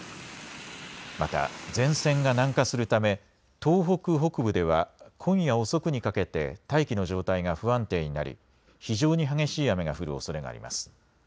また前線が南下するため東北北部では今夜遅くにかけて大気の状態が不安定になり非常に激しい雨が降るおそれがあります。